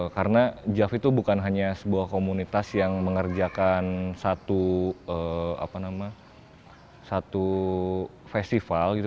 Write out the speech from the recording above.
karena jav itu bukan hanya sebuah komunitas yang mengerjakan satu festival gitu